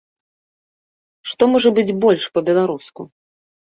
Што можа быць больш па-беларуску!